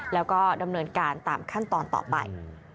แล้วก็ดำเนินการตามขั้นตอนต่อไป